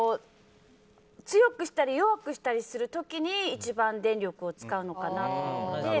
強くしたり弱くしたりする時に一番電力を使うのかなと思って。